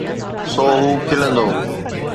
سو هو کلندو.